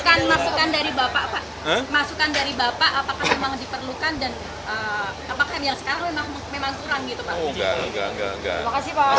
kalau ada usul tidak boleh ada orang orang toxic mungkin di pemerintahan